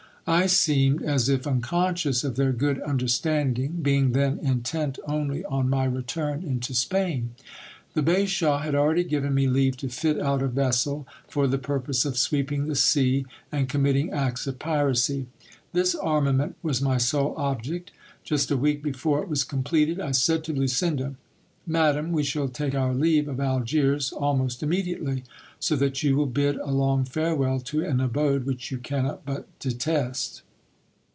I seemed as if unconscious of their good understanding ; being then intent only on my return into Spain. The bashaw had already given me leave to fit out a vessel, for the purpose of sweep ing the sea and committing acts of piracy. This armament was my sole object Just a week before it was completed, I said to Lucinda : Madam, we shall take our leave of Algiers almost immediately ; so that you will bid a long farewell to an abode which you cannot but detest.